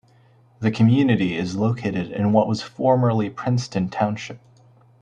The community is located in what was formerly Princeton Township.